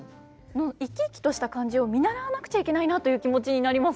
生き生きとした感じを見習わなくちゃいけないなという気持ちになります